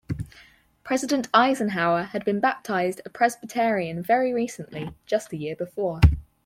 President Eisenhower had been baptized a Presbyterian very recently, just a year before.